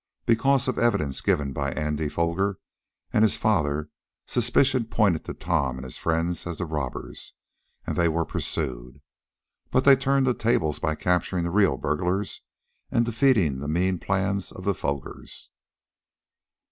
Because of evidence given by Andy Foger, and his father, suspicion pointed to Tom and his friends as the robbers, and they were pursued. But they turned the tables by capturing the real burglars, and defeating the mean plans of the Fogers.